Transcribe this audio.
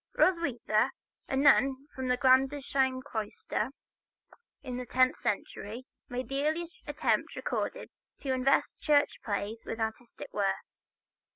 Roswitha, a nun of the Gandersheim cloister, in the tenth century, made the earliest attempt recorded to invest church plays with artistic worth.